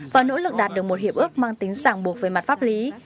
và nỗ lực đạt được một hiệp ước mang tính giảng buộc về mặt pháp lý